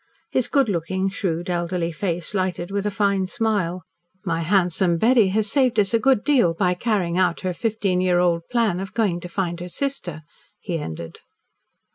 His good looking, shrewd, elderly face lighted with a fine smile. "My handsome Betty has saved us a good deal by carrying out her fifteen year old plan of going to find her sister," he ended.